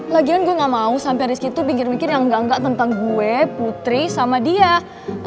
lagian gue gak mau sampai rizky tuh bingin bingin yang gangga tentang gue putri sama dia